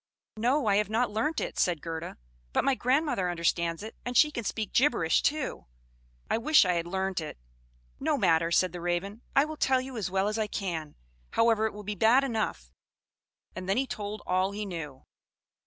"No, I have not learnt it," said Gerda; "but my grandmother understands it, and she can speak gibberish too. I wish I had learnt it." "No matter," said the Raven; "I will tell you as well as I can; however, it will be bad enough." And then he told all he knew.